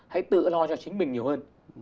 hãy tự lo cho chính mình nhiều hơn